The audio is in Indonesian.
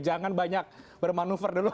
jangan banyak bermanuver dulu